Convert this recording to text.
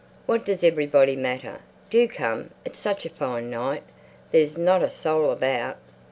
"What does everybody matter? Do come! It's such a fine night. There's not a soul about."